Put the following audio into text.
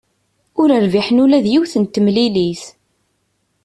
Ur rbiḥen ula d yiwet n temilit.